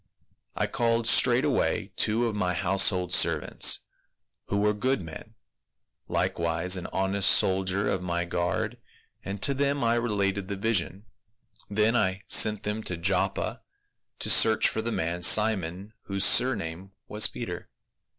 I called straightway two of my household servants, who were good men, likewise an honest soldier of my guard, and to them I related the THE MEDIATOR. 183 vision ; then I sent them to Joppa to search for the man Simon, whose surname was Peter."